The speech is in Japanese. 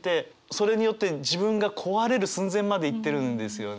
それによって自分が壊れる寸前までいってるんですよね。